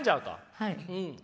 はい。